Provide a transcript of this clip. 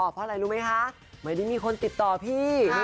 เพราะอะไรรู้ไหมคะไม่ได้มีคนติดต่อพี่